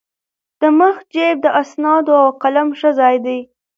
د مخ جېب د اسنادو او قلم ښه ځای دی.